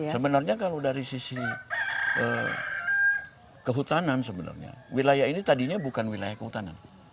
sebenarnya kalau dari sisi kehutanan sebenarnya wilayah ini tadinya bukan wilayah kehutanan